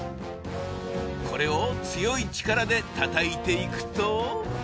これを強い力で叩いていくと。